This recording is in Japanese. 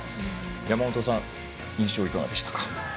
山本さん、印象はいかがでしたか。